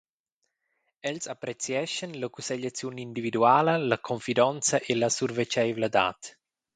Els apprezieschan la cussegliaziun individuala, la confidonza e la survetscheivladad.